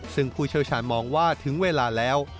ซึ่งผู้เชี่ยวชาญมองว่าถึงเวลาแล้ว